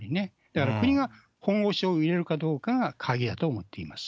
だから国が本腰を入れるかどうかが鍵だと思っています。